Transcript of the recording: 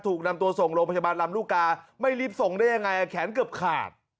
ถูกนำตัวส่งโรงพยาบาลลำลูกกาไม่รีบส่งได้ยังไงแขนเกือบขาด